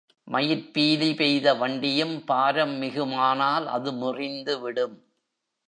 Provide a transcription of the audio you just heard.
மயிற்பீலி பெய்த வண்டியும் பாரம் மிகுமானால் அது முறிந்துவிடும்.